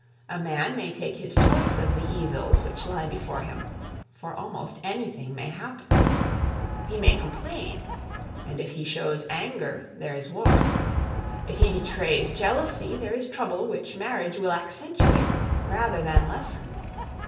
A man may take his choice of the evils which lie before him, for almost anything may happen. He may complain, and if he shows anger, there is war. If he betrays jealousy, there is trouble which marriage will accentuate, rather than lessen.